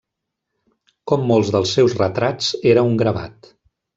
Com molts dels seus retrats, era un gravat.